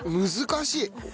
難しい！